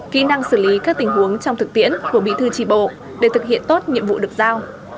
kỹ năng xử lý các tình huống trong thực tiễn của bị thư trị bộ để thực hiện tốt nhiệm vụ được giao